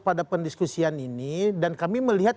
pada pendiskusian ini dan kami melihat